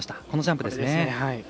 このジャンプですね。